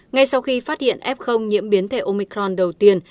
ngay sau khi phát hiện f nhiễm biến thể omicron đầu tiên